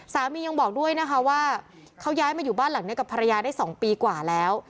ยังบอกด้วยนะคะว่าเขาย้ายมาอยู่บ้านหลังนี้กับภรรยาได้๒ปีกว่าแล้ว